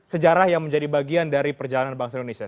sejarah yang menjadi bagian dari perjalanan bangsa indonesia